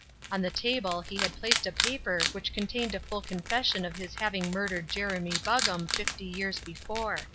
On the table he had placed a paper which contained a full confession of his having murdered Jeremy Buggam fifty years before.